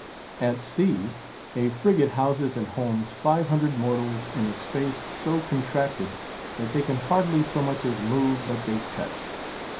At sea, a frigate houses and homes five hundred mortals in a space so contracted that they can hardly so much as move but they touch.